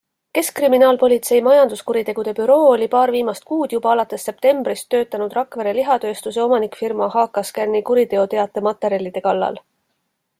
Keskkriminaalpolitsei majanduskuritegude büroo oli paar viimast kuud, juba alates septembrist töötanud Rakvere lihatööstuse omanikfirma HKScani kuriteoteate materjalide kallal.